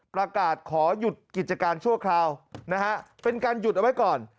ประกาศขอหยุดกิจการชั่วคราวนะฮะเป็นการหยุดเอาไว้ก่อน